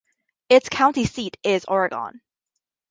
Its county seat is Oregon.